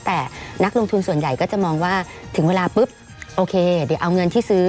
แต่นักลงทุนส่วนใหญ่ก็จะมองว่าถึงเวลาเอาเงินที่ซื้อ